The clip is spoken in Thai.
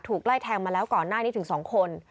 ไล่แทงมาแล้วก่อนหน้านี้ถึง๒คน